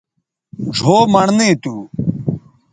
ڙھؤ مڑنئ تھو